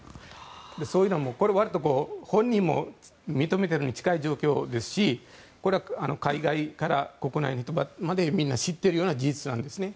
そういうのは、わりと本人も認めているのに近い状況ですしこれは海外から国内までみんな知ってるような事実なんですね。